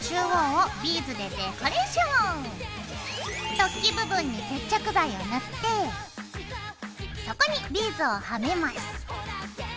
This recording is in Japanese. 突起部分に接着剤を塗ってそこにビーズをはめます。